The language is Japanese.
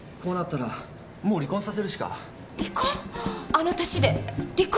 あの年で離婚！？